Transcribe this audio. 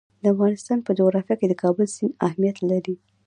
د افغانستان په جغرافیه کې د کابل سیند اهمیت لري.